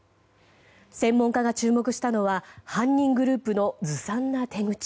専門家が注目したのは犯人グループのずさんな手口。